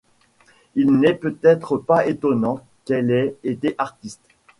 Il n'est peut-être pas étonnant qu'elle ait été artiste.